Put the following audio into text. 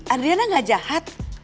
adriana gak jahat